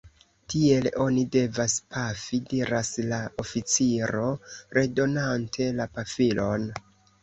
Tiel oni devas pafi, diras la oficiro, redonante la pafilon.